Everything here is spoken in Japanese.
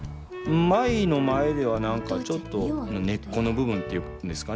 舞の前では何かちょっと根っこの部分っていうんですかね